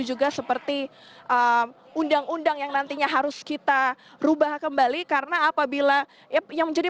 juga seperti undang undang yang nantinya harus kita rubah kembali karena apabila yang menjadi